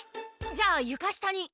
じゃあゆか下に。